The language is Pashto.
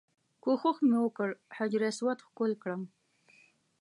کوښښ مې وکړ حجر اسود ښکل کړم.